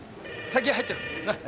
先入ってろなっ。